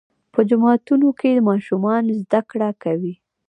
په جوماتونو کې ماشومان زده کړه کوي.